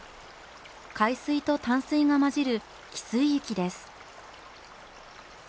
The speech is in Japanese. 海水と淡水が混じる汽水域です。